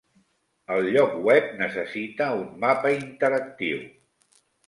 El lloc web necessita un mapa interactiu